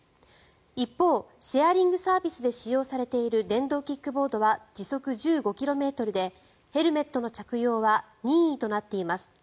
一方、シェアリングサービスで使用されている電動キックボードは時速１５ｋｍでヘルメットの着用は任意となっています。